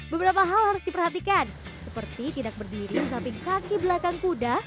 beberapa hal harus diperhatikan seperti tidak berdiri di samping kaki belakang kuda